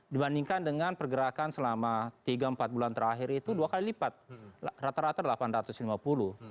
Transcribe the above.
dibandingkan dengan pergerakan selama tiga empat bulan terakhir itu dua kali lipat rata rata rp delapan ratus lima puluh